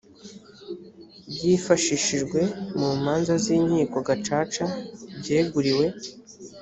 byifashishijwe mu manza z inkiko gacaca byeguriwe